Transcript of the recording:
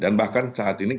dan bahkan saat ini